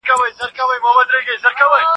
دا انځور له هغه ښکلی دی.